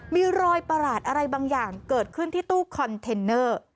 มีรอยประหลาดอะไรบางอย่างเกิดขึ้นที่ตู้คอนเทนเนอร์